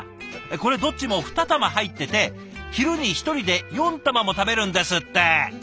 これどっちも２玉入ってて昼に１人で４玉も食べるんですって！